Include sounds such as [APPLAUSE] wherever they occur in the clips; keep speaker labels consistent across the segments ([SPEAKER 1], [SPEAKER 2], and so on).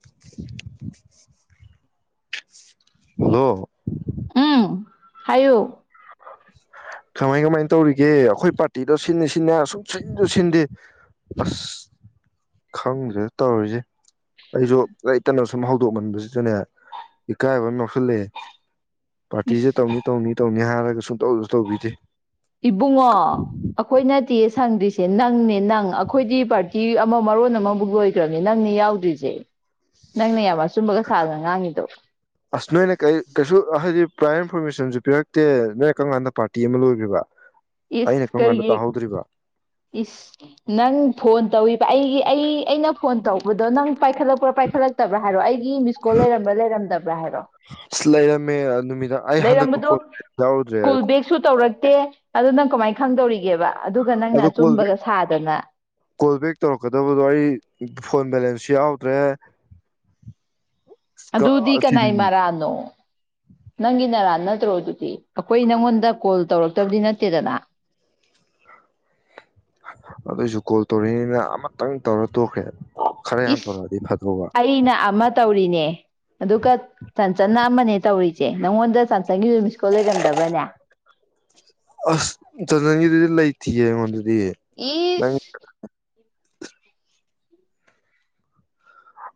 [SPEAKER 1] [UNINTELLIGIBLE] Hello
[SPEAKER 2] ꯎꯝ ꯍꯥꯏꯌꯨ
[SPEAKER 1] ꯀꯃꯥꯏ ꯀꯃꯥꯏ ꯇꯧꯔꯤꯒꯦ ꯑꯩꯈꯣꯏ ꯄꯥꯔꯇꯤꯗ ꯁꯤꯅꯤ ꯁꯤꯅꯦ ꯁꯨꯝ ꯁꯤꯟꯁꯨ ꯁꯤꯟꯗꯦ ꯑꯁ ꯈꯪꯗ꯭ꯔꯦ ꯇꯧꯔꯤꯁꯦ ꯑꯩꯁꯨ ꯂꯩꯇꯅ ꯁꯨꯝ ꯍꯧꯗꯣꯛꯃꯟꯕꯁꯤꯗꯅꯦ ꯏꯀꯥꯏꯕ ꯑꯃ ꯌꯥꯎꯁꯜꯂꯛꯑꯦ ꯄꯥ꯭ꯔꯇꯤꯁꯦ
[SPEAKER 2] ꯏꯁ
[SPEAKER 1] ꯇꯧꯅꯤ ꯇꯧꯅꯤ ꯇꯧꯅꯤ ꯍꯥꯏꯔꯒ ꯁꯨꯝ ꯇꯧꯁꯨ ꯇꯧꯕꯤꯗꯦ
[SPEAKER 2] ꯏꯕꯨꯡꯉꯣ ꯑꯩꯈꯣꯏꯅ ꯅꯠꯇꯤꯌꯦ ꯁꯪꯗ꯭ꯔꯤꯁꯦ ꯅꯪꯅꯦ ꯅꯪ ꯑꯩꯈꯣꯏꯗꯤ ꯄꯥꯔꯇꯤ ꯑꯃ ꯃꯔꯣꯟ ꯑꯃꯃꯨꯛ ꯂꯣꯏꯈ꯭ꯔꯕꯅꯦ ꯅꯪꯅꯦ ꯌꯥꯎꯗ꯭꯭ꯔꯤꯁꯦ ꯅꯪꯅ ꯌꯥꯝꯅ ꯑꯆꯨꯝꯕꯒ ꯁꯥꯗꯅ ꯉꯥꯡꯉꯤꯗꯣ
[SPEAKER 1] ꯄꯨ꯭ꯔꯥ ꯏꯟꯐꯣꯔꯃꯦꯁꯟꯁꯨ ꯄꯤꯔꯛꯇꯦ ꯅꯣꯏ ꯀꯔꯝ ꯀꯥꯟꯗ ꯄꯥꯔꯇꯤ ꯑꯃ ꯂꯣꯏꯈ꯭ꯔꯤꯕ ꯑꯩꯅ
[SPEAKER 2] ꯏꯁ
[SPEAKER 1] ꯀꯔꯝ ꯀꯥꯟꯗ
[SPEAKER 2] ꯀꯔꯤꯒꯤ
[SPEAKER 1] ꯇꯥꯍꯧꯗ꯭ꯔꯤꯕ
[SPEAKER 2] ꯏꯁ ꯅꯪ ꯐꯣꯟ ꯇꯧꯏ ꯄ ꯑꯩꯒꯤ ꯑꯩ ꯑꯩꯅ ꯐꯣꯟ ꯇꯧꯕꯗꯣ ꯅꯪ ꯄꯥꯏꯈꯠꯂꯛꯄ꯭ꯔꯥ ꯄꯥꯏꯈꯠꯂꯛꯇꯕ꯭ꯔꯥ ꯍꯥꯏꯔꯣ ꯑꯩꯒꯤ ꯃꯤꯁꯀꯣꯜ ꯂꯩꯔꯝꯕ꯭ꯔꯥ ꯂꯩꯔꯝꯗꯕ꯭ꯔꯥ ꯍꯥꯏꯔꯣ
[SPEAKER 1] ꯑꯁ ꯂꯩꯔꯝꯃꯦ ꯑꯗꯨ
[SPEAKER 2] ꯂꯩꯔꯝꯕꯗꯨ ꯀꯣꯜ ꯕꯦꯛꯁꯨ ꯇꯧꯔꯛꯇꯦ ꯑꯗꯨ ꯅꯪ ꯀꯃꯥꯏ ꯈꯪꯗꯧꯔꯤꯒꯦꯕ ꯑꯗꯨꯒ ꯅꯪꯅ
[SPEAKER 1] ꯑꯗꯨ ꯀꯣꯜ ꯕꯦꯛ
[SPEAKER 2] ꯑꯆꯨꯝꯕꯒ ꯁꯥꯗꯅ
[SPEAKER 1] ꯀꯣꯜ ꯕꯦꯛ ꯇꯧꯔꯛꯀꯗꯕꯗꯣ ꯑꯩ ꯐꯣꯟ ꯕꯦꯂꯦꯟꯁꯁꯨ ꯌꯥꯎꯗ꯭ꯔꯦ
[SPEAKER 2] ꯑꯗꯨꯗꯤ ꯀꯅꯥꯏ
[SPEAKER 1] ꯁꯤꯗꯤ
[SPEAKER 2] ꯃꯔꯥꯟꯅꯣ ꯅꯪꯒꯤ ꯅꯔꯥ ꯅꯠ ꯅꯠꯇ꯭ꯔꯣ ꯑꯗꯨꯗꯤ ꯑꯩꯈꯣꯏ ꯅꯪꯉꯣꯟꯗ ꯀꯣꯜ ꯇꯧꯔꯛꯇꯕꯗꯤ ꯅꯠꯇꯦꯗꯅ
[SPEAKER 1] ꯑꯗꯨꯏꯁꯨ ꯀꯣꯜ ꯇꯧꯔꯛꯅꯤꯅ ꯑꯃꯇꯪ ꯇꯧꯔ ꯇꯣꯛꯈ꯭ꯔꯦ ꯈꯔ ꯌꯥꯝ
[SPEAKER 2] ꯏꯁ
[SPEAKER 1] ꯇꯧꯔꯛꯑꯗꯤ ꯐꯗꯧꯕ
[SPEAKER 2] ꯑꯩꯅ ꯑꯃ ꯇꯧꯔꯤꯅꯦ ꯑꯗꯨꯒ ꯆꯟꯆꯟꯅ ꯑꯃꯅꯦ ꯇꯧꯔꯤꯖꯦ ꯅꯪꯉꯣꯟꯗ ꯆꯟꯆꯟꯒꯤꯖꯨ ꯃꯤꯁꯀꯣꯜ ꯂꯩꯔꯝꯗꯕ꯭ꯔꯅꯦ
[SPEAKER 1] ꯑꯁ ꯆꯟꯆꯒꯤꯗꯤ ꯂꯩꯇꯤꯌꯦ ꯑꯩꯉꯣꯟꯗ ꯗꯤ ꯅꯪ
[SPEAKER 2] ꯏꯁ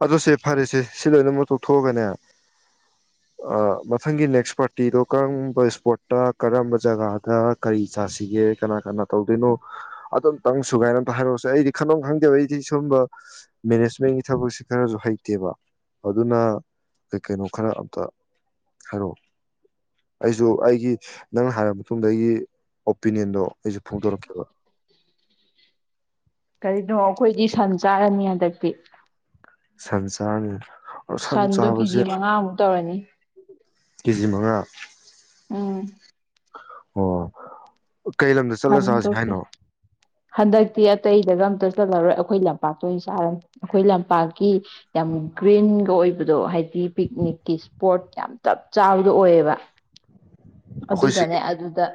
[SPEAKER 1] ꯑꯗꯣ ꯁꯦ ꯐꯔꯦꯁꯦ ꯁꯤ ꯂꯣꯏꯅꯃꯛ ꯇꯣꯛꯊꯣꯛꯑꯒꯅꯦ ꯑ ꯃꯊꯪꯒꯤ ꯅꯦꯛꯁ ꯄꯥꯔꯇꯤꯗꯣ ꯀꯔꯝꯕ ꯏꯁꯄꯣꯠꯇ ꯀꯔꯝꯕ ꯖꯒꯥꯗ ꯀꯔꯤ ꯆꯥꯁꯤꯒꯦ ꯀꯅꯥ ꯀꯅꯥ ꯇꯧꯗꯣꯏꯅꯣ ꯑꯗꯨꯝꯇꯪ ꯁꯨꯒꯥꯏꯅ ꯑꯝꯇ ꯍꯥꯏꯔꯛꯑꯣꯁꯦ ꯑꯩꯗꯤ ꯈꯟꯚꯝ ꯈꯪꯗꯦꯕ ꯑꯩꯗꯤ ꯁꯨꯝꯕ ꯃꯦꯅꯦꯖꯃꯦꯟꯒꯤ ꯊꯕꯛꯁꯤ ꯈꯔꯖꯨ ꯍꯩꯇꯦꯕ ꯑꯗꯨꯅ ꯀꯩ ꯀꯩꯅꯣ ꯈꯔ ꯑꯝꯇ ꯍꯥꯏꯔꯛꯑꯣ ꯑꯩꯁꯨ ꯑꯩꯒꯤ ꯅꯪꯅ ꯍꯥꯏꯔꯕ ꯃꯇꯨꯡꯗ ꯑꯩꯒꯤ ꯑꯣꯄꯤꯅꯤꯌꯟꯗꯣ ꯑꯩꯁꯨ ꯐꯣꯡꯗꯣꯔꯛꯀꯦꯕ
[SPEAKER 2] ꯀꯔꯤꯅꯣ ꯑꯩꯈꯣꯏꯗꯤ ꯁꯟ ꯆꯥꯔꯅꯤ ꯍꯟꯗꯛꯇꯤ
[SPEAKER 1] ꯁꯟꯆꯥꯔꯅꯤ
[SPEAKER 2] ꯁꯟꯗꯣ ꯀꯤꯖꯤ ꯃꯉꯥꯃꯨꯛ ꯇꯧꯔꯅꯤ
[SPEAKER 1] ꯀꯦꯖꯤꯃꯉꯥ
[SPEAKER 2] ꯎꯝ
[SPEAKER 1] ꯑꯣ ꯀꯩ ꯂꯝꯗ ꯆꯠꯂ ꯆꯥꯁꯦ
[SPEAKER 2] ꯁꯟꯗꯣ ꯀꯦ
[SPEAKER 1] ꯍꯥꯏꯅꯣ
[SPEAKER 2] ꯍꯟꯗꯛ ꯇꯤ ꯑꯇꯩꯗꯒ ꯑꯝꯇ ꯆꯠꯂꯔꯣꯏ ꯑꯩꯈꯣꯏ ꯂꯝꯄꯥꯛꯇ ꯑꯣꯏꯅ ꯆꯥꯔꯅꯤ ꯑꯩꯈꯣꯏ ꯂꯝꯄꯥꯛꯀꯤ ꯌꯥꯝ ꯒ꯭ꯔꯤꯟꯒ ꯑꯣꯏꯕꯗꯣ ꯍꯥꯏꯗꯤ ꯄꯤꯛꯅꯤꯛꯀꯤ ꯏꯁꯄꯣꯠ ꯌꯥꯝ ꯆꯞ ꯆꯥꯕꯗꯣ ꯑꯣꯏꯑ ꯦꯕ
[SPEAKER 1] ꯑꯩꯈꯣꯏ ꯁꯤꯒꯤ
[SPEAKER 2] ꯑꯗꯨꯗꯅꯦ ꯑꯗꯨꯗ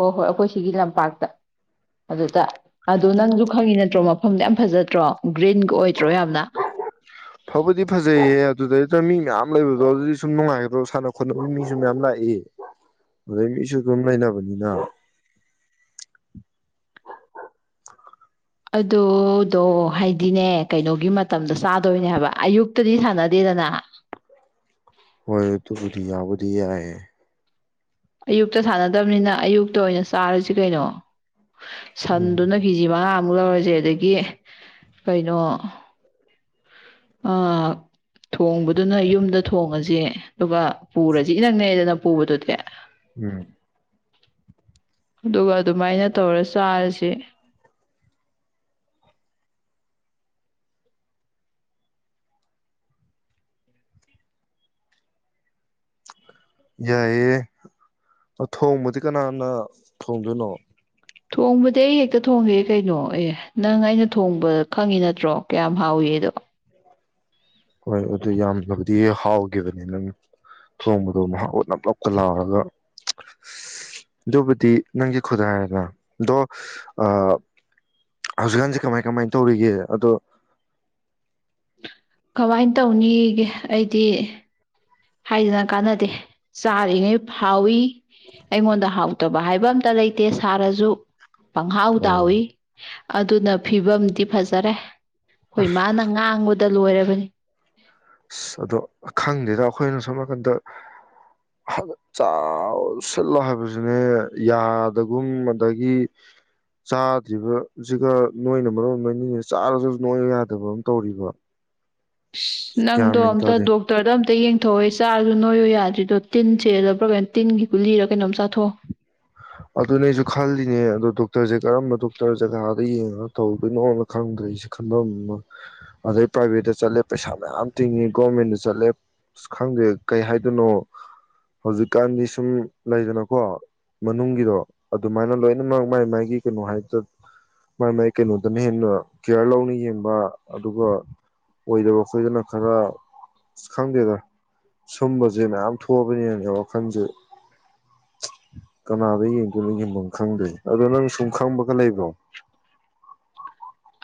[SPEAKER 2] ꯍꯣ ꯍꯣꯏ ꯑꯩꯈꯣꯏ ꯁꯤꯒꯤ ꯂꯝꯄꯥꯛꯇ ꯑꯗꯨꯗ ꯑꯗꯨ ꯅꯪꯖꯨ ꯈꯪꯉꯤ ꯅꯠꯇ꯭ꯔꯣ ꯃꯐꯝꯗꯣ ꯌꯥꯝ ꯐꯖꯗ꯭ꯔꯣ ꯒ꯭ꯔꯤꯟꯒ ꯑꯣꯏ
[SPEAKER 1] ꯐꯕꯨꯗꯤ ꯐꯖꯩꯌꯦ ꯑꯗꯨꯗꯩ ꯅ ꯃꯤ ꯃꯌꯥꯝ ꯂꯩꯕꯗꯣ ꯑꯗꯨꯗꯤ ꯁꯨꯝ ꯅꯨꯡꯉꯥꯏꯒꯗ꯭ꯔꯣ ꯁꯥꯟꯅ ꯈꯣꯠꯅꯕ ꯃꯤꯖꯨ ꯃꯌꯥꯝ ꯂꯥꯛꯏ ꯑꯗꯩ ꯃꯤꯖꯨ ꯑꯗꯨꯝ ꯂꯩꯅꯕꯅꯤꯅ
[SPEAKER 2] ꯑꯗꯨꯗꯣ ꯍꯥꯏꯗꯤꯅꯦ ꯀꯩꯅꯣꯒꯤ ꯃꯇꯝꯗ ꯆꯥꯗꯣꯏꯅꯦ ꯍꯥꯏꯕ ꯑꯌꯨꯛꯇꯗꯤ ꯁꯥꯟꯅꯗꯦꯗꯅ
[SPEAKER 1] ꯍꯣꯏ ꯑꯇꯨꯕꯨꯗꯤ ꯌꯥꯕꯨꯗꯤꯌꯥꯏ
[SPEAKER 2] ꯑꯌꯨꯛꯇ ꯁꯥꯟꯅꯗꯕꯅꯤꯅ ꯑꯌꯨꯛꯇ ꯑꯣꯏꯅ ꯆꯥꯔꯁꯤ ꯀꯩꯅꯣ
[SPEAKER 1] ꯎꯝ
[SPEAKER 2] ꯁꯟꯗꯨꯅ ꯀꯦꯖꯤ ꯃꯉꯥ ꯃꯨꯛ ꯂꯧꯔꯖꯦ ꯑꯗꯒꯤ ꯀꯩꯅꯣ ꯑ ꯊꯣꯡꯕꯗꯨꯅ ꯌꯨꯝꯗ ꯊꯣꯡꯉꯖꯦ ꯑꯗꯨꯒ ꯄꯨꯔꯖꯤ ꯏꯅꯛ ꯅꯩꯑꯦꯗꯅ ꯄꯨꯕꯗꯨꯗꯤ
[SPEAKER 1] ꯎꯝ
[SPEAKER 2] ꯑꯗꯨꯒ ꯑꯗꯨꯃꯥꯏꯅ ꯇꯧꯔ ꯆꯥꯔꯁꯦ
[SPEAKER 1] ꯌꯥꯏꯌꯦ ꯑꯊꯣꯡꯕꯥꯗꯤ ꯀꯅꯥꯅꯥ ꯊꯣꯡꯗꯣꯏꯅꯣ꯫
[SPEAKER 2] ꯊꯣꯡꯕꯥ ꯗꯤ ꯑꯩ ꯍꯦꯛꯇꯥ ꯊꯣꯡꯒꯦ ꯀꯦꯏꯅꯣ ꯑꯦꯍꯍ ꯑꯦꯟ. ꯏꯅꯥ ꯊꯣꯡꯕꯥ ꯈ꯭ꯡꯒꯦ ꯅ꯭ꯠꯔꯣ ꯀꯌꯥꯝ ꯍꯥꯑꯣꯒꯦ ꯗꯨ꯫
[SPEAKER 1] ꯍꯣꯏ ꯑꯗꯨ ꯌꯥꯝꯃꯜꯂꯥꯕꯥꯗꯤ ꯍꯥꯑꯣꯖꯤꯕꯅꯤ ꯉꯅꯥ ꯊꯣꯡꯕꯥ ꯗꯨ ꯃꯍꯥꯑꯣ ꯒꯥ ꯅꯞ ꯅꯞ ꯒꯥ ꯂꯥꯑꯣꯔꯥꯒꯥ ꯑꯗꯨꯕꯨꯗꯤ ꯉꯒꯤ ꯈꯨꯠ ꯍꯥꯏꯔꯦꯗꯅꯥ ꯑꯗꯣ ꯑꯥ ꯍꯋꯖꯤꯛ ꯀꯃꯩ ꯀꯃꯩ ꯇ꯭ꯔꯤꯒꯦ ꯑꯗꯨ꯫
[SPEAKER 2] ꯀꯃꯩ ꯇ꯭ꯅꯦꯏꯒꯦ ꯏꯗ꯫ ꯍꯥꯏꯗꯨꯅ ꯀꯥꯟꯅꯗꯦ ꯆꯥꯔꯤꯉꯩ ꯍꯥꯎꯏ ꯑꯩꯉꯣꯟꯗ ꯍꯥꯎꯇꯕ ꯇꯕ ꯍꯥꯏꯕ ꯑꯝꯇ ꯂꯩꯇꯦ ꯁꯥꯔꯁꯨ ꯄꯪꯈꯥꯎ
[SPEAKER 1] ꯑꯣ
[SPEAKER 2] ꯇꯥꯎꯏ ꯑꯗꯨꯅ ꯐꯤꯕꯝꯗꯤ ꯐꯖꯔꯦ ꯍꯣꯏ ꯃꯥ ꯅꯪ ꯉꯥꯡꯕꯗ ꯇ ꯂꯣꯏꯔꯕꯅꯤ
[SPEAKER 1] ꯑꯁ ꯑꯗꯣ ꯈꯪꯗꯦꯗ ꯑꯩꯈꯣꯏꯅ ꯁꯝ ꯅꯥꯀꯟꯗ ꯆꯁꯤꯜꯂꯣ ꯍꯥꯏꯕꯁꯤꯅꯦ ꯌꯥꯗꯒꯨꯝ ꯑꯗꯒꯤ ꯆꯥꯗ꯭ꯔꯤꯕꯁꯤꯒ ꯅꯣꯏꯅ ꯃꯔꯣꯟ ꯅꯣꯏꯅꯤꯅ ꯆꯥꯔꯒꯁꯨ ꯅꯣꯏ ꯌꯥꯗꯕ ꯑꯃ ꯇꯧꯔꯤꯕ ꯒ꯭ꯌꯥꯟ
[SPEAKER 2] ꯅꯪꯗꯣ
[SPEAKER 1] ꯃꯦꯟ
[SPEAKER 2] ꯑꯝꯇ
[SPEAKER 1] ꯇꯥꯗꯦ
[SPEAKER 2] ꯗꯣꯛꯇꯔꯣ ꯑꯝꯇ ꯌꯦꯡ ꯥꯊꯣꯛꯑꯦ ꯆꯥꯔꯁꯨ ꯅꯣꯏꯌꯣ ꯌꯥꯗ꯭ꯔꯤꯗꯣ ꯇꯤꯟꯁꯦꯗ ꯄ꯭ꯔꯣꯕ꯭ꯂꯦꯝ ꯇꯤꯟꯒꯤ ꯀꯨ ꯂꯤꯔꯒ ꯀꯩꯅꯣꯝ ꯆꯥꯊꯣꯛꯑꯣ
[SPEAKER 1] ꯑꯗꯨꯅꯦ ꯑꯩꯁꯨ ꯈꯜꯂꯤꯅꯦ ꯑꯗꯣ ꯗꯣꯛꯇꯔꯁꯦ ꯀꯔꯝꯕ ꯗꯣꯛꯇꯔ ꯖꯒꯥꯗ ꯌꯦꯡꯉꯒ ꯇꯧꯗꯣꯏꯅꯣꯅ ꯈꯪꯗ꯭ꯔꯦꯁꯦ ꯈꯟꯕ ꯑꯃ ꯑꯗꯩ ꯄ꯭ꯔꯥꯏꯚꯦꯠꯇ ꯆꯠꯂꯦ ꯄꯩꯁꯥ ꯃꯌꯥꯝ ꯇꯤꯡꯉꯤ ꯒꯣꯔꯃꯦꯟꯗ ꯆꯠꯂꯦ ꯑ ꯈꯪꯗꯦ ꯀꯩ ꯍꯥꯏꯗꯣꯏꯅꯣ ꯍꯧꯖꯤꯛꯀꯥꯟꯗꯤ ꯁꯨꯝ ꯂꯩꯗꯅꯀꯣ ꯃꯅꯨꯡꯒꯤꯗꯣ ꯑꯗꯨꯃꯥꯏꯅ ꯂꯣꯏꯅꯃꯛ ꯃꯥꯏ ꯃꯥꯏꯒꯤ ꯀꯩꯅꯣ ꯍꯥꯏꯗ ꯃꯥꯏ ꯃꯥꯏ ꯀꯩꯅꯣꯗꯅ ꯍꯦꯟꯅ ꯀꯤꯌꯥꯔ ꯂꯧꯅ ꯌꯦꯡꯕ ꯑꯗꯨꯒ ꯑꯣꯏꯗꯕ ꯑꯩꯈꯣꯏꯗꯅ ꯈꯔ ꯈꯪꯗꯦꯗ ꯁꯨꯝꯕꯁꯦ ꯃꯌꯥꯝ ꯊꯣꯛꯑꯕꯅꯦꯅꯦ ꯋꯥꯈꯜꯁꯦ ꯀꯅꯥꯗ ꯌꯦꯡꯗꯣꯏꯅꯣ ꯌꯦꯡꯐꯝ ꯈꯪꯗꯦ ꯑꯗꯣ ꯅꯪ ꯁꯨꯝ ꯈꯪꯕꯒ ꯂꯩꯕ꯭ꯔꯣ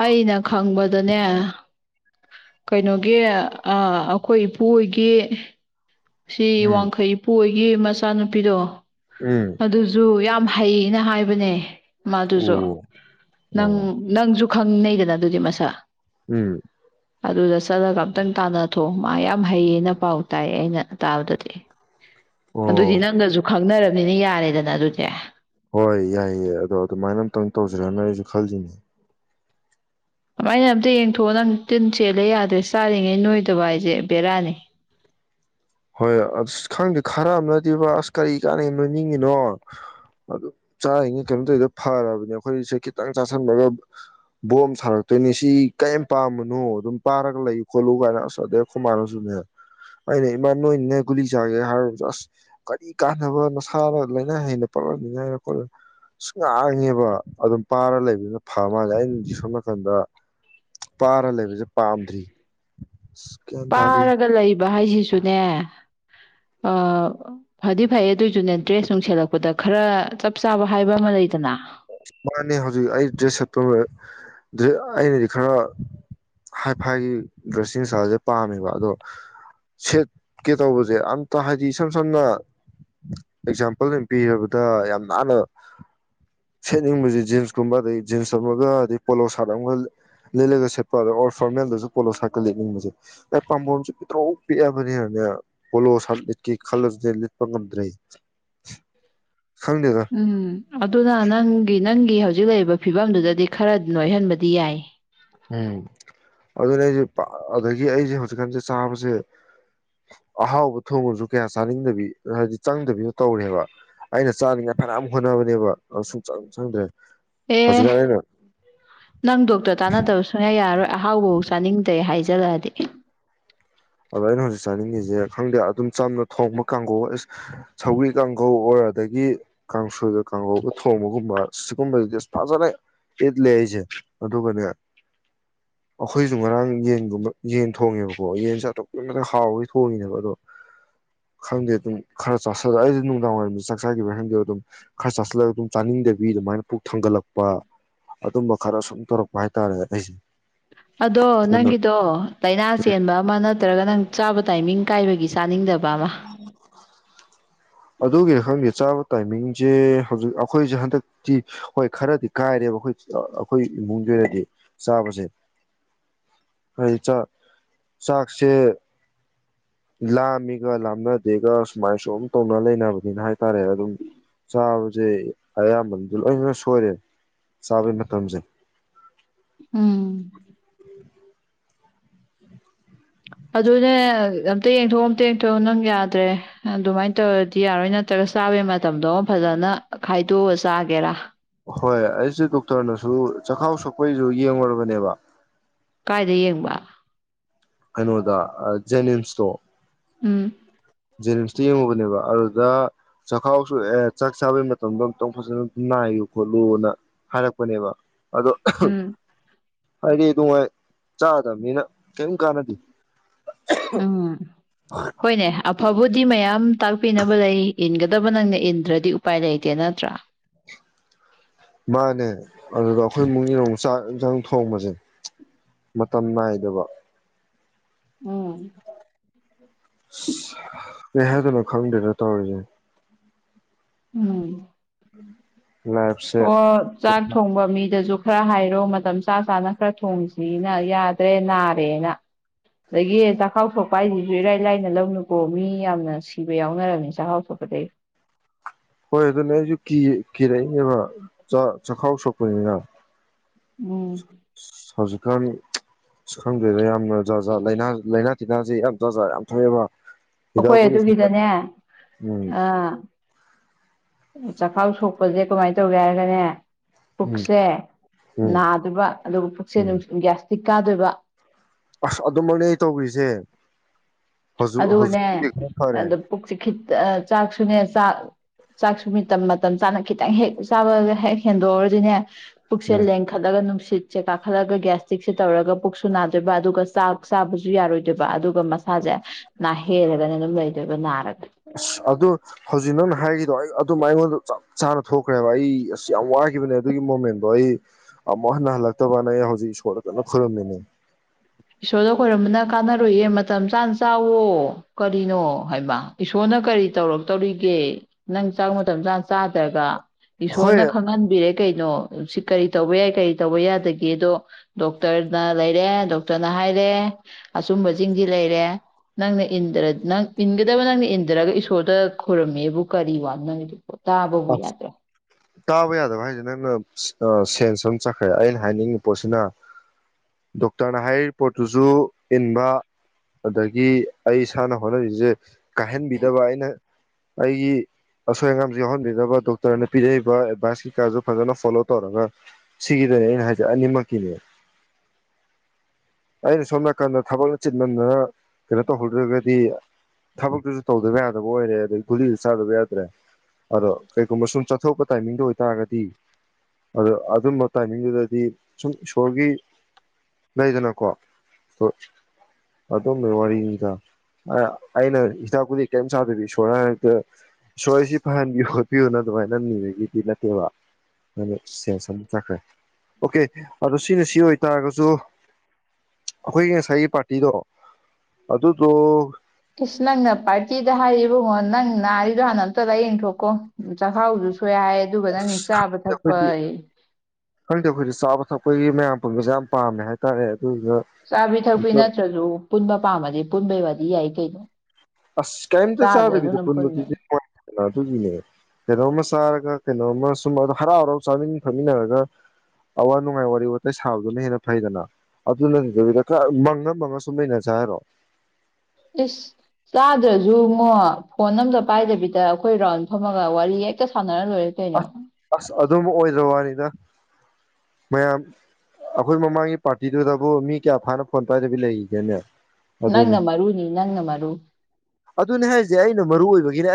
[SPEAKER 2] ꯑꯩꯅ ꯈꯪꯕꯗꯅꯦ ꯀꯩꯅꯣꯒꯤ ꯑꯩꯈꯣꯏ ꯏꯄꯨ ꯍꯣꯏꯒꯤ ꯁꯤ
[SPEAKER 1] ꯎꯝ
[SPEAKER 2] ꯋꯥꯡꯈꯩ ꯏꯄꯨꯒꯤ ꯃꯁ ꯏꯆꯥ ꯅꯨꯨꯄꯤꯗꯣ
[SPEAKER 1] ꯎꯝ
[SPEAKER 2] ꯑꯗꯨꯁꯨꯨ ꯌꯥꯝ ꯍꯩꯅ ꯍꯥꯏꯕꯅꯦ ꯃꯗꯨꯁꯨ
[SPEAKER 1] ꯑꯣ
[SPEAKER 2] ꯅꯪ
[SPEAKER 1] ꯑꯣ
[SPEAKER 2] ꯅꯪꯁꯨ ꯈꯪꯅꯩꯗꯅ ꯑꯗꯨꯗꯤ ꯃꯁꯥ
[SPEAKER 1] ꯎꯝ
[SPEAKER 2] ꯑꯗꯨꯗ ꯆꯠꯂꯒ ꯑꯝꯇꯪ ꯇꯥꯟꯅꯊꯣꯛꯑꯣ ꯃꯥ ꯌꯥꯝ ꯍꯩꯌꯦꯅ ꯄꯥꯎ ꯇꯥꯏ ꯑꯩꯅ ꯇꯥꯕꯗꯗꯤ ꯑꯗꯨꯗꯤ
[SPEAKER 1] ꯑꯣ
[SPEAKER 2] ꯅꯪꯒꯁꯨ ꯈꯪ ꯅ ꯅꯤꯅꯦ ꯌꯥꯔꯦꯗꯅ ꯑꯗꯨꯁꯦ
[SPEAKER 1] ꯇꯪ ꯇꯧꯁꯤꯔꯛꯅ ꯑꯩꯁꯨ ꯈꯜꯂꯤꯅꯦ
[SPEAKER 2] ꯑꯗꯨꯃꯥꯏꯩꯅ ꯑꯝꯇ ꯌꯦꯡꯊꯣꯛꯑꯣ ꯅꯪ ꯇꯤꯟ ꯆꯦꯜꯠꯂꯦ ꯌꯥꯗ꯭ꯔꯦ ꯆꯥꯔꯤꯉꯩ ꯅꯣꯏꯗꯕ ꯍꯥꯏꯁꯦ ꯕꯦꯔꯥꯅꯤ
[SPEAKER 1] ꯍꯣꯏ ꯑ ꯈꯪꯗꯦ ꯈꯔꯑꯅꯠꯇꯕ ꯑꯁ ꯀꯔꯤ ꯀꯥꯟꯅ ꯅꯣꯏꯅꯤꯡꯉꯤꯅꯣ ꯑꯗꯨ ꯆꯥꯔꯤꯉꯩ ꯀꯩꯅꯣꯝ ꯇꯧꯗꯣ ꯐꯔꯕꯅꯦ ꯑꯩꯈꯣꯏꯁꯦ ꯈꯤꯇꯪ ꯆꯥꯥꯁꯟꯕꯒ ꯕꯣꯝ ꯊꯥꯔꯛꯇꯣꯏꯅꯤ ꯁꯤ ꯀꯔꯤꯝ ꯄꯥꯝꯕꯅꯣ ꯑꯗꯨꯝ ꯄꯥꯔꯒ ꯂꯩꯌꯨ ꯈꯣꯠꯂꯨ ꯀꯥꯏꯅ ꯑꯁ ꯑꯗꯩ ꯈꯨ ꯃꯥꯟꯅꯁꯨꯅꯦ ꯑꯩꯅ ꯃꯔꯣꯏꯅꯤꯅ ꯒꯨꯂꯤ ꯆꯥꯒꯦ ꯍꯥꯏꯔ ꯖꯁ ꯀꯔꯤ ꯀꯥꯟꯅꯕ ꯅꯁꯥꯅ ꯂꯥꯏꯅꯥ ꯍꯦꯟꯅ ꯄꯛꯂꯝꯅꯤꯉꯥꯏꯅ ꯈꯣꯠꯂ ꯁ ꯉꯥꯡꯉꯦꯕ ꯑꯗꯨꯝ ꯄꯥꯔ ꯂꯩꯕꯅꯤꯅ ꯐ ꯃꯥꯜꯂꯦ ꯑꯩꯅꯗꯤ ꯁꯣꯝ ꯅꯥꯀꯟꯗ ꯄꯥꯔ ꯂꯩꯕꯁꯦ ꯄꯥꯝꯗ꯭ꯔꯤ ꯑ
[SPEAKER 2] ꯄꯥꯔꯒꯂ ꯏꯕ ꯕ ꯍꯥꯏꯁꯤꯁꯨꯅꯦ ꯐꯗꯤ ꯐꯩꯌꯦ ꯑꯗꯨꯏꯁꯨꯅꯦ ꯗ꯭ꯔꯦꯁ ꯅꯨꯡꯁꯦꯜꯂꯛꯄꯗ ꯈꯔ ꯆꯞ ꯆꯥꯕ ꯍꯥꯏꯕ ꯑꯃ ꯂꯩꯗꯅ
[SPEAKER 1] ꯃꯥꯅꯦ ꯍꯧꯖꯤꯛ ꯑꯩ ꯗ꯭ꯔꯦꯁ ꯁꯦꯠꯄ ꯑꯩꯅꯗꯤ ꯈꯔ ꯍꯥꯏꯐꯥꯏꯒꯤ ꯗ꯭ꯔꯦꯁꯁꯤꯡ ꯁꯥꯔꯁꯦ ꯄꯥꯝꯃꯦꯕ ꯑꯗꯣ ꯁꯦꯠꯀꯦ ꯇꯧꯕꯁꯦ ꯑꯝꯇ ꯍꯥꯏꯗꯤ ꯏꯁꯝ ꯁꯝꯅ ꯑꯦꯛꯖꯥꯝꯄꯜ ꯑꯣꯏꯅ ꯄꯤꯔꯕꯗ ꯌꯥꯝ ꯅꯥꯟꯅ ꯁꯦꯠꯅꯤꯡꯕꯕꯁꯤꯦ ꯖꯤꯟꯁꯀꯨꯝꯕ ꯑꯗꯗꯒꯤ ꯖꯤꯟꯁ ꯑꯃꯒ ꯑꯗꯩ ꯄꯣꯂꯣ ꯁꯥꯔꯠ ꯑꯃꯒ ꯂꯤꯠꯂꯒ ꯁꯦꯠꯄꯗ ꯑꯣꯔ ꯐꯣꯔꯃꯦꯜꯗꯁꯨ ꯄꯣꯂꯣ ꯁꯥꯔꯠꯀ ꯂꯤꯠꯅꯤꯡꯕꯁꯦ ꯑ ꯄꯥꯝꯕꯣꯝꯁ ꯄꯤꯊꯣꯛ ꯄꯤꯛꯑꯕꯅꯤꯅꯅꯦ ꯄꯣꯂꯣ ꯁꯥꯔꯠ ꯂꯤꯠꯀꯤ ꯈꯜꯂꯁꯨꯅꯦ ꯂꯤꯠꯄ ꯉꯝꯗ꯭ꯔꯦ ꯈꯪꯗꯦꯗ
[SPEAKER 2] ꯎꯝ ꯑꯗꯨ ꯅꯪꯒꯤ ꯅꯪꯒꯤ ꯍꯧꯖꯤꯛ ꯂꯩꯔꯤꯕ ꯐꯤꯕꯝꯗꯨꯗꯗꯤ ꯈꯔ ꯅꯣꯏꯍꯟꯕꯗꯤ ꯌꯥꯏ
[SPEAKER 1] ꯎꯝ ꯑꯗꯨꯅ ꯑꯩꯁꯦ ꯑꯗꯒꯤ ꯑꯩꯁꯦ ꯍꯧꯖꯤꯛꯀꯥꯟꯁꯦ ꯆꯥꯕꯁꯦ ꯑꯍꯥꯎꯕ ꯊꯣꯡꯕꯁꯨ ꯀꯌꯥ ꯆꯥꯅꯤꯡꯗꯕꯤ ꯍꯥꯏꯕꯗꯤ ꯆꯪꯗꯕꯤꯗ ꯇꯧꯔꯦꯕ ꯑꯩꯅ ꯆꯥꯔꯤꯉꯥꯏ ꯐꯅꯌꯥꯝ ꯍꯣꯠꯅꯕꯅꯦꯕ ꯁꯨꯡꯆꯪ ꯆꯪꯗ꯭ꯔꯦ
[SPEAKER 2] ꯑꯦ
[SPEAKER 1] ꯍꯧꯖꯤꯛꯀꯥꯟ ꯑꯩꯅ
[SPEAKER 2] ꯅꯪ ꯗꯣꯛꯇꯔ ꯇꯥꯟꯅꯗꯕ ꯁꯨꯌ ꯌꯥꯔꯔꯣꯏ ꯑꯍꯥꯎꯕꯥꯕꯨ ꯆꯥꯅꯤꯡꯗꯦ ꯍꯥꯏꯁꯦ ꯖꯂꯗꯤ
[SPEAKER 1] ꯑꯗꯣ ꯑꯩꯅ ꯍꯧꯖꯤꯛ ꯆꯥꯅꯤꯡꯉꯤꯁꯦ ꯈꯪꯗꯦ ꯑꯗꯨꯝ ꯆꯝꯅ ꯊꯣꯡꯕ ꯀꯥꯡꯒꯧ ꯑ ꯁꯧꯒ꯭ꯔꯤ ꯀꯥꯡꯒꯧ ꯑꯣꯏꯔ ꯑꯗꯒꯤ ꯀꯥꯡꯁꯣꯏꯗ ꯀꯥꯡꯒꯧꯒ ꯊꯣꯡꯕꯒꯨꯝꯕ ꯁꯤꯒꯨꯝꯕꯗꯨꯗꯤ ꯑꯁ ꯐꯖꯅ ꯏꯠꯂꯦ ꯑꯩꯁꯦ ꯑꯗꯨꯒꯅꯦ ꯑꯩꯈꯣꯏꯁꯨ ꯉꯔꯥꯡ ꯌꯦꯟꯒꯨꯝꯕ ꯌꯦꯟ ꯊꯣꯡꯉꯦꯕꯀꯣ ꯌꯦꯟꯁ ꯀꯣꯏꯅ ꯍꯥꯎꯕꯒꯤ ꯊꯣꯡꯉꯤꯅꯦꯕ ꯑꯗꯣ ꯈꯪꯗꯦ ꯑꯗꯨꯝ ꯈꯔ ꯆꯥꯁꯤꯜꯂ ꯑꯩꯁ ꯅꯨꯡꯗꯥꯡ ꯋꯥꯏꯔꯝꯗ ꯆꯥꯛꯆꯈꯤꯕ ꯈꯪꯗꯦ ꯑꯗꯨꯝ ꯈꯔ ꯆꯥꯁꯤꯜꯂꯒ ꯑꯗꯨꯝ ꯆꯥꯅꯤꯡꯗꯕꯤ ꯑꯗꯨꯃꯥꯏꯅ ꯄꯨꯛ ꯊꯥꯡꯒꯠꯂꯛꯄ ꯑꯗꯨꯝꯕ ꯈꯔ ꯁꯨꯝ ꯇꯧꯔꯛꯄ ꯍꯥꯏꯇꯥꯔꯦ ꯑꯩꯁꯦ
[SPEAKER 2] ꯑꯗꯣ
[SPEAKER 1] ꯑꯗꯨꯅ
[SPEAKER 2] ꯅꯪꯒꯤꯗꯣ ꯂꯥꯏꯅꯥ ꯆꯦꯟꯕ ꯑꯃ ꯅ ꯅꯠꯇ꯭ꯔꯒ ꯅꯪ ꯆꯥꯕ ꯇꯥꯏꯃꯤꯡ ꯀꯥꯏꯕꯒꯤꯁꯦ
[SPEAKER 1] ꯑꯗꯨꯒꯤ ꯈꯪꯒꯦ ꯆꯥꯕ ꯇꯥꯏꯃꯤꯡꯁꯦ ꯍꯧꯖꯤꯛ ꯑꯩꯈꯣꯏꯁꯦ ꯍꯟꯗꯛꯇꯤ ꯍꯣꯏ ꯈꯔꯗꯤ ꯀꯥꯏꯔꯦꯕ ꯑꯩꯈꯣꯏ ꯑꯩꯈꯣꯏ ꯏꯃꯨꯡꯒꯤ ꯑꯣꯏꯅꯗꯤ ꯆꯥꯕꯁꯦ ꯍꯥꯏꯗꯤ ꯆ ꯆꯥꯛꯁꯦ ꯂꯥꯝꯃꯤ ꯒ ꯂꯥꯞꯅꯗꯦꯒ ꯁꯨꯃꯥꯏꯅ ꯁꯨꯝꯨꯝ ꯇꯧꯅ ꯂꯩꯅꯕꯅꯤꯅ ꯍꯥꯏꯇꯥꯔꯦ ꯑꯗꯨꯝ ꯆꯥꯕꯁꯦ ꯑꯌꯥꯝꯕꯅꯗꯤ ꯂꯣꯏꯅ ꯁꯣꯏꯔꯦ ꯆꯥꯕꯩ ꯃꯇꯝꯁꯦ
[SPEAKER 2] ꯎꯝ
[SPEAKER 1] ꯎ
[SPEAKER 2] ꯑꯗꯨ ꯑꯗꯨꯅꯦ ꯑꯝꯛꯇ ꯌꯦꯡꯊꯣꯛꯎ ꯑꯝꯇ ꯌꯦꯡꯊꯣꯛꯎ ꯅꯪ ꯌꯥꯗ꯭ꯔꯦ ꯑꯗꯨꯃꯥꯏꯅ ꯇꯧꯔꯗꯤ ꯌꯥꯔꯣꯏ ꯅꯠꯇ꯭ꯔꯒ ꯆꯥꯕꯒꯤ ꯃꯇꯝꯗꯣ ꯑꯃ ꯐꯖꯅ ꯈꯥꯏꯗꯣꯛꯑꯒ ꯆꯥꯒꯦꯔꯥ
[SPEAKER 1] ꯍꯣꯏ ꯑꯩꯁꯦ ꯗꯣꯛꯇꯔꯅꯁꯨ ꯆꯈꯥꯎ ꯁꯛꯄꯩꯁꯨ ꯌꯦꯡꯂꯡꯉꯨꯔꯕꯅꯦꯕ
[SPEAKER 2] ꯀꯥꯏꯗ ꯌꯦꯡꯕ
[SPEAKER 1] ꯀꯩꯅꯣꯗ ꯦꯅꯤꯝꯁꯇꯣ
[SPEAKER 2] ꯎꯝ
[SPEAKER 1] ꯖꯦꯅꯤꯝꯁꯇ ꯌꯦꯡꯉꯨꯕꯅꯦꯕ ꯑꯗꯨꯗ ꯆꯈꯥꯎꯁꯨ ꯑꯦ ꯆꯥꯛ ꯆꯥꯕꯩ ꯃꯇꯝꯗꯣ ꯑꯃꯨꯛꯇꯪ ꯐꯖꯅ ꯅꯥꯏꯌꯨ ꯈꯣꯠꯂꯨꯅ ꯍꯥꯏꯔꯛꯄꯅꯦꯕ ꯑꯗꯣ
[SPEAKER 2] ꯎꯝ
[SPEAKER 1] ꯍꯥꯏꯗꯤ ꯑꯗꯨꯉ ꯆꯥꯗꯕꯅꯤꯅ ꯀꯔꯤꯝ ꯀꯥꯟꯅꯗꯦ
[SPEAKER 2] ꯎꯝ ꯍꯅꯦ ꯍꯥꯏ ꯑꯐꯕꯨꯗꯤ ꯃꯌꯥꯝ ꯇꯥꯛꯄꯤꯅꯕ ꯂꯩ ꯏꯟꯒꯗꯕ ꯅꯪꯅ ꯏꯟꯗ꯭ꯔꯗꯤ ꯎꯄꯥꯏ ꯂꯩꯇꯦ ꯅꯠꯇ꯭ꯔꯥ
[SPEAKER 1] ꯃꯥꯅꯦ ꯑꯗꯨꯒ ꯑꯩꯈꯣꯏ ꯃꯅꯨꯡꯅꯤꯔꯣꯡ ꯆꯥꯛ ꯏꯟꯁꯥꯡ ꯊꯣꯡꯕꯁꯦ ꯃꯇꯝ ꯅꯥꯏꯗꯕ
[SPEAKER 2] ꯎꯝ
[SPEAKER 1] ꯑꯦꯍꯦꯗꯅ ꯈꯪꯗꯦꯔ ꯇꯧꯔꯁ
[SPEAKER 2] ꯎꯝ
[SPEAKER 1] ꯂꯥꯏꯐꯁꯦ
[SPEAKER 2] ꯑꯣ ꯆꯥꯛ ꯊꯣꯡꯕ ꯃꯤꯗꯁꯨ ꯈꯔ ꯍꯥꯏꯔꯣ ꯃꯇꯝ ꯆꯥ ꯆꯥꯅ ꯈꯔ ꯊꯣꯡꯁꯤꯅ ꯌꯥꯗ꯭ꯔꯦ ꯅꯥꯔꯦꯅ ꯑꯗꯒꯤ ꯆꯈꯥꯎꯊꯣꯛꯄ ꯍꯥꯏꯁꯤꯁꯨ ꯏꯔꯥꯏ ꯂꯥꯏꯅ ꯂꯧꯅꯨꯀꯣ ꯃꯤ ꯌꯥꯝꯅ ꯁꯤꯕ ꯌꯥꯎꯅꯔꯝꯃꯦ ꯆꯈꯥꯎꯊꯣꯛꯄꯗꯒꯤ
[SPEAKER 1] ꯍꯣꯏ ꯑꯗꯨꯅꯦ ꯑꯩꯁꯨ ꯀꯤꯔꯛꯏꯅꯦꯕ ꯆꯈꯥꯎ ꯁꯣꯛꯄꯅꯤꯅ
[SPEAKER 2] ꯎꯝ
[SPEAKER 1] ꯁꯥꯎꯖꯤꯈꯪ ꯁꯤꯈꯪꯒꯦ ꯖ ꯂꯩ ꯂꯩꯅꯥ ꯇꯤꯅꯥꯁꯤ ꯌꯥꯝ ꯆꯥꯖ ꯌꯥꯝ ꯊꯣꯛꯑꯦꯕ ꯍꯤꯗꯥꯛ
[SPEAKER 2] ꯑꯩꯈꯣꯏ
[SPEAKER 1] ꯒꯨꯂꯤꯁꯤ
[SPEAKER 2] ꯑꯗꯨꯒꯤꯗꯅꯦ
[SPEAKER 1] ꯎꯝ
[SPEAKER 2] ꯑꯥ ꯆꯈꯥꯎ ꯁꯣꯛꯄꯁꯦ ꯀꯃꯥꯏꯅ ꯇꯧꯒꯦ ꯍꯥꯏꯔꯒꯅꯦ
[SPEAKER 1] ꯎꯝ
[SPEAKER 2] ꯄꯨꯛꯁꯦ
[SPEAKER 1] ꯎꯝ
[SPEAKER 2] ꯅꯥꯗꯕ ꯑꯗꯨꯒ ꯄꯨꯛꯁꯦ
[SPEAKER 1] ꯎꯝ
[SPEAKER 2] ꯅꯨꯡ ꯒ꯭ꯌꯥꯁ ꯀꯥꯗꯣꯏꯕ
[SPEAKER 1] ꯑꯁ ꯑꯗꯨꯃꯛꯅꯦ ꯑꯩ ꯇꯧꯒꯔꯤꯖꯦ
[SPEAKER 2] ꯑꯗꯨꯒꯅꯦ ꯑꯗ ꯄꯨꯛꯁꯤ ꯈꯤꯇ ꯆꯥꯛꯁꯨꯅꯦ ꯆꯥꯛ ꯆꯥꯛꯁꯨ ꯃꯤꯇꯝ ꯃꯇꯝ ꯆꯥꯅ ꯈꯤꯇꯪ ꯍꯦꯛ ꯆꯥꯕꯖꯦ ꯍꯦꯛ ꯍꯦꯟꯗꯣꯛꯎꯔꯗꯤꯅꯦ ꯄꯨꯛꯆꯦ
[SPEAKER 1] ꯎꯝ
[SPEAKER 2] ꯂꯦꯡꯈꯠꯂꯒ ꯅꯨꯡꯁꯤ ꯁꯦ ꯀꯥꯈꯠꯂꯒ ꯒ꯭ꯌꯥꯁꯇꯤꯛꯁꯦ ꯇꯧꯔꯒ ꯄꯨꯛꯁꯨ ꯅꯥꯗꯣꯏꯕ ꯑꯗꯨꯒ ꯆꯥꯛ ꯆꯥꯕꯖꯨ ꯌꯥꯔꯣꯏꯗꯣꯏꯕ ꯑꯗꯨꯒ ꯃꯁꯥꯖꯦ ꯅꯥꯍꯦꯔꯒꯅ ꯑꯗꯨꯝ ꯂꯩꯗꯣꯏꯕ ꯅꯥꯔꯒ
[SPEAKER 1] ꯑꯁ ꯑꯗꯨ ꯍꯧꯖꯤꯛ ꯅꯪꯅ ꯍꯥꯏꯒꯤꯗꯣ ꯑꯩ ꯑꯗꯨꯝ ꯑꯩꯉꯣꯟꯗ ꯆꯞ ꯆꯥꯅ ꯊꯣꯛꯈ꯭ꯔꯦꯕ ꯑꯩ ꯑꯁ ꯌꯥꯝ ꯋꯥꯒꯤꯕꯅꯦ ꯑꯗꯨꯒꯤ ꯃꯣꯃꯦꯟꯗꯣ ꯑꯩ ꯑꯃꯨꯛ ꯍꯟꯅ ꯍꯜꯂꯛꯇꯕꯅ ꯑꯩ ꯍꯧꯖꯤꯛ ꯏꯁꯣꯔꯗ ꯀꯟꯅ ꯈꯨꯔꯝꯃꯤꯅꯦ
[SPEAKER 2] ꯏꯁꯣꯔꯗ ꯈꯣꯏꯔꯝꯕꯅ ꯀꯥꯟꯅꯔꯣꯏꯌꯦ ꯃꯇꯝ ꯆꯥꯅ ꯆꯥꯋꯣ ꯀꯔꯤꯅꯣ ꯍꯥꯏꯃ ꯏꯁꯣꯔꯅ ꯀꯔꯤ ꯇꯧꯔꯛꯇꯧꯔꯤꯒꯦ ꯅꯪ ꯆꯥꯛ ꯃꯇꯝ ꯆꯥꯅ ꯆꯥꯗ꯭ꯔꯒ
[SPEAKER 1] ꯍꯣꯏ
[SPEAKER 2] ꯏꯁꯣꯔꯅ ꯈꯪꯍꯟꯕꯤꯔꯦ ꯀꯩꯅꯣ ꯁꯤ ꯀꯔꯤ ꯇꯧꯕ ꯌꯥꯏ ꯀꯔꯤ ꯇꯧꯕ ꯌꯥꯗꯒꯦꯗꯣ ꯗꯣꯛꯇꯔꯅ ꯂꯩꯔꯦ ꯗꯣ ꯇꯅ ꯍꯥꯏꯔꯦ ꯑꯆꯨꯝꯕꯖꯤꯡꯖꯤ ꯂꯩꯔꯦ ꯅꯪꯅ ꯏꯟꯗꯔ ꯅꯪ ꯏꯟꯒꯗꯕ ꯅꯪꯅ ꯏꯟꯗꯔꯒ ꯏꯁꯣꯔꯗ ꯈꯣꯏꯔꯝꯃꯦꯕꯨ ꯀꯔꯤ ꯋꯥꯅꯣ ꯅꯪꯒꯤꯗꯨꯕꯣ
[SPEAKER 1] ꯑꯁ ꯇꯥꯕ ꯌꯥꯗꯕ ꯍꯥꯏꯖꯦ ꯅꯪꯅ ꯁ ꯁꯦꯟꯁ ꯑꯃ ꯆꯠꯈ꯭ꯔꯦ ꯑꯩꯅ ꯍꯥꯏꯅꯤꯡ ꯄꯣꯠꯁꯤꯅ ꯗꯣꯛꯇꯔꯅ ꯍꯥꯏꯔꯤꯕ ꯄꯣꯠꯇꯨꯖꯨ ꯏꯟꯕ ꯑꯗꯒꯤ ꯑꯩ ꯏꯁꯥꯅ ꯍꯣꯠꯅꯔꯤꯖꯦ ꯀꯥꯏꯍꯟꯕꯤꯗꯕ ꯑꯩꯅ ꯑꯩꯒꯤ ꯑꯁꯣꯏ ꯑꯉꯥꯝ ꯌꯥꯎꯍꯟꯕꯤꯗꯕ ꯗꯣꯛꯇꯔꯅ ꯄꯤꯔꯛꯏꯕ ꯑꯦꯗꯚꯥꯏꯁ ꯀꯩꯀꯥꯖꯨ ꯐꯖꯅ ꯐꯣꯂꯣ ꯇꯧꯔꯒ ꯁꯤꯒꯤꯗꯅꯦ ꯑꯩꯅ ꯍꯥꯏꯁꯦ ꯑꯅꯤꯃꯛꯀꯤꯅꯦ ꯑꯩꯅ ꯁꯣꯝ ꯅꯥꯀꯟꯗ ꯊꯕꯛꯅ ꯆꯤꯟꯃꯟꯗꯅ ꯀꯩꯅꯣ ꯇꯧꯍꯧꯗ꯭ꯔꯒꯗꯤ ꯊꯕꯛꯇꯨꯖꯨ ꯇꯧꯗꯕ ꯌꯥꯗꯕ ꯑꯣꯏꯔꯦ ꯑꯗꯒꯤ ꯒꯨꯂꯤꯗꯨ ꯆꯥꯗꯕ ꯌꯥꯗ꯭ꯔꯦ ꯑꯗꯣ ꯀꯩꯒꯨꯝꯕ ꯁꯨꯝ ꯆꯠꯊꯣꯛꯄ ꯇꯥꯏꯃꯤꯡꯗꯣ ꯑꯣꯏꯇꯥꯔꯒꯗꯤ ꯑꯗꯣ ꯑꯗꯨꯝꯕ ꯇꯥꯏꯃꯤꯡꯗꯨꯗꯗꯤ ꯁꯨꯝ ꯏꯁꯣꯔꯒꯤ ꯂꯩꯗꯅꯀꯣ ꯗꯣ ꯑꯗꯨꯝꯕꯩ ꯋꯥꯔꯤꯅꯤꯗ ꯑꯩ ꯑꯩꯅ ꯍꯤꯗꯥꯛ ꯒꯨꯂꯤ ꯀꯩꯝ ꯆꯥꯗꯕꯤ ꯏꯁꯣꯔ ꯍꯥꯏꯔꯗ ꯏꯁꯣꯔ ꯑꯩꯁꯤ ꯐꯍꯟꯕꯤꯌꯨ ꯈꯣꯠꯄꯤꯌꯨꯅ ꯑꯗꯨꯃꯥꯏꯅ ꯅꯤꯕꯒꯤꯗꯤ ꯅꯠꯇꯦꯕ ꯑꯗꯨꯅ ꯁꯦꯟꯁ ꯑꯃ ꯆꯠꯈ꯭ꯔꯦ꯫ ꯑꯣꯀꯦ ꯑꯗꯣ ꯁꯤꯅ ꯁꯤ ꯑꯣꯏꯇꯥꯔꯒꯁꯨ ꯑꯩꯈꯣꯏꯒꯤ ꯉꯁꯥꯏꯒꯤ ꯄꯥꯔꯇꯤꯗꯣ ꯑꯗꯨꯗꯣ
[SPEAKER 2] ꯏꯁꯁ ꯅꯪꯅ ꯄꯥꯔꯇꯤꯗ ꯍꯥꯏꯔꯤ ꯏꯕꯨꯉꯣ ꯅꯪ ꯅꯥꯔꯤꯗꯣ ꯍꯥꯟꯅ ꯑꯝꯇ ꯂꯥꯏ ꯌꯦꯡꯊꯣꯛꯀꯣ ꯆꯥꯛꯈꯥꯎꯗꯨꯁꯨ ꯁꯣꯏ ꯍꯥꯏ ꯑꯗꯨꯒ ꯅꯪ ꯆꯥꯕ
[SPEAKER 1] ꯑꯩꯈꯣꯏꯗꯤ
[SPEAKER 2] ꯊꯛꯄꯌꯦ
[SPEAKER 1] ꯑꯩꯈꯣꯏꯒꯤ ꯃꯌꯥꯝ ꯄꯨꯟꯕꯖꯦ ꯌꯥꯝ ꯄꯥꯝꯃꯦ ꯍꯥꯏꯇꯥꯔꯦ ꯑꯗꯨꯗꯨꯅ
[SPEAKER 2] ꯆꯥꯕꯤ ꯊꯛꯄꯤ
[SPEAKER 1] ꯑꯝꯇ
[SPEAKER 2] ꯅꯠꯇ꯭ꯔꯖꯨ ꯄꯨꯟꯕ ꯄꯥꯝꯃꯗꯤ ꯄꯨꯟꯕꯩ ꯋꯥꯗꯤ ꯌꯥꯏ ꯀꯩꯅꯣ
[SPEAKER 1] ꯑꯁ ꯀꯩꯝꯇ
[SPEAKER 2] ꯆꯥꯗ꯭ꯔꯁꯨ
[SPEAKER 1] ꯆꯥꯗꯕꯤꯗ
[SPEAKER 2] ꯑꯗꯨꯝ ꯄꯨꯟꯕ
[SPEAKER 1] ꯄꯨꯟꯕꯗꯨꯗꯤ ꯐ ꯗꯅ ꯑꯗꯨꯒꯤꯅꯦ ꯀꯩꯅꯣꯝꯃ ꯆꯥꯔꯒ ꯀꯩꯅꯣꯃ ꯁꯨꯝ ꯑꯗ ꯍꯔꯥꯎ ꯍꯔꯥꯎ ꯆꯥꯃꯤꯟ ꯊꯛꯃꯤꯟꯅꯔꯒ ꯑꯋꯥ ꯅꯨꯡꯉꯥꯏ ꯋꯥꯔꯤ ꯋꯥꯇꯥꯏ ꯁꯥꯕꯗꯨꯅ ꯍꯦꯟꯅ ꯐꯩꯗꯅ ꯑꯗꯨ ꯅꯠꯇꯗꯕꯤꯗ ꯈ ꯃꯪꯉ ꯃꯪꯉ ꯁꯨꯝ ꯂꯩꯅꯖ ꯍꯥꯏꯔꯣ
[SPEAKER 2] ꯏꯁꯁ ꯆꯥꯗ꯭ꯔꯖꯨ ꯃꯣ ꯐꯣꯟ ꯑꯝꯇ ꯄꯥꯏꯗꯕꯤꯗ ꯑꯩꯈꯣꯏ ꯔꯥꯎꯟ ꯐꯝꯃꯒ ꯋꯥꯔꯤ ꯍꯦꯛꯇ ꯁꯥꯟ
[SPEAKER 1] ꯑꯁ ꯑꯗꯨꯃ ꯑꯣꯏ ꯋꯥꯅꯤꯗ ꯃꯌꯥꯝ ꯑꯩꯈꯣꯏ ꯃꯃꯥꯡꯒꯤ ꯄꯥꯔꯇꯤꯗꯨꯗꯕꯨ ꯃꯤ ꯀꯌꯥ ꯐꯥꯅ ꯐꯣꯟ ꯄꯥꯏꯗꯕꯤ ꯂꯩꯔꯤꯒꯦꯅꯦ ꯑꯗꯨꯅꯤ
[SPEAKER 2] ꯅꯪꯅ ꯃꯔꯨꯅꯤ ꯅꯪꯅ ꯃꯔꯨ
[SPEAKER 1] ꯑꯗꯨꯅꯦ ꯍꯥꯏꯔꯤꯖꯦ ꯑꯩꯅ ꯃꯔꯨ ꯑꯣꯏꯕꯒꯤꯅꯦ ꯑꯩ